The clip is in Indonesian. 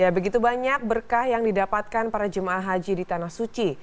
begitu banyak berkah yang didapatkan para jemaah haji di tanah suci